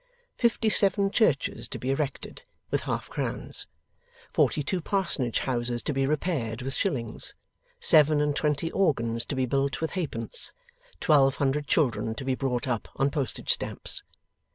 Fifty seven churches to be erected with half crowns, forty two parsonage houses to be repaired with shillings, seven and twenty organs to be built with halfpence, twelve hundred children to be brought up on postage stamps.